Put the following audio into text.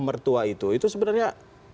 mertua itu itu sebenarnya